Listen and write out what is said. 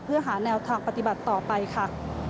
เพื่อหาแนวทางปฏิบัติต่อไปค่ะ